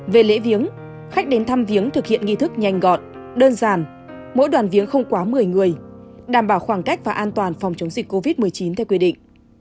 về lễ viếng khách đến thăm viếng thực hiện nghi thức nhanh gọn đơn giản mỗi đoàn viếng không quá một mươi người đảm bảo khoảng cách và an toàn phòng chống dịch covid một mươi chín theo quy định